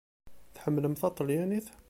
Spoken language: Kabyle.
Tḥemmlem taṭelyanit?